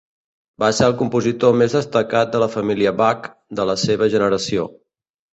Va ser el compositor més destacat de la família Bach de la seva generació.